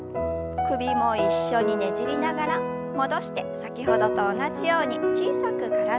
首も一緒にねじりながら戻して先ほどと同じように小さく体をねじります。